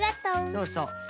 そうそう。